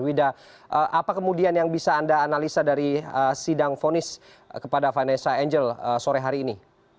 wida apa kemudian yang bisa anda analisa dari sidang fonis kepada vanessa angel sore hari ini